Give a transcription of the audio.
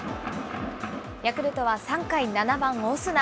ヤクルトは３回、７番オスナ。